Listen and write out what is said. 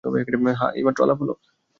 হ্যাঁ, এইমাত্র আলাপ হল।